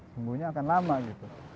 sembuhnya akan lama gitu